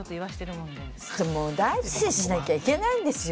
もう大事にしなきゃいけないんですよ。